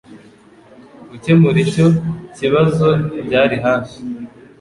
Gukemura icyo kibazo byari hafi